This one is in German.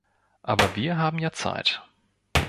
Aber wir haben ja Zeit.